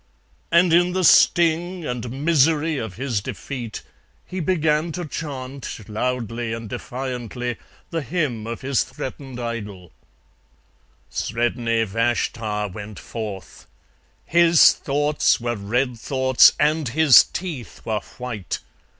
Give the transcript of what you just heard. And in the sting and misery of his defeat, he began to chant loudly and defiantly the hymn of his threatened idol: Sredni Vashtar went forth, His thoughts were red thoughts and his teeth were white.